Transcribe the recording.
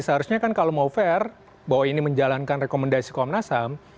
seharusnya kan kalau mau fair bahwa ini menjalankan rekomendasi komnas ham